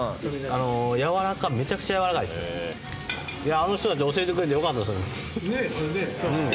あの人たち教えてくれてよかったですね。